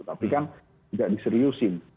tapi kan tidak diseriusin